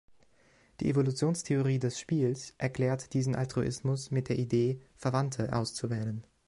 Die Evolutionstheorie des Spiels erklärt diesen Altruismus mit der Idee, Verwandte auszuwählen.